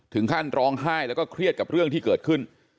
ถึงขั้นร้องไห้แล้วก็เครียดกับเรื่องที่เกิดขึ้น